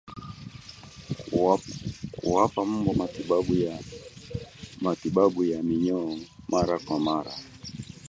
Kuwapa mbwa matibabu ya minyoo mara kwa mara